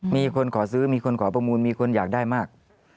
มีคนขอซื้อมีคนขอประมูลมีคนอยากได้มาก